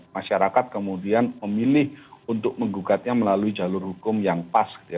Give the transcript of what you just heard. masyarakat kemudian memilih untuk menggugatnya melalui jalur hukum yang pas gitu ya